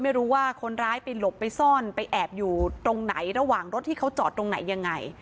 ไม่รู้ว่าคนร้ายไปหลบไปซ่อนไปแอบอยู่ตรงไหนระหว่างรถที่เขาจอดตรงไหนยังไง